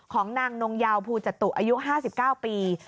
ของนางนงยาวภูจตุอายุ๕๙ปี